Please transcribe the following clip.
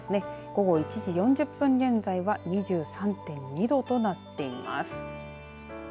午後１時４０分現在は２３．２度となっています。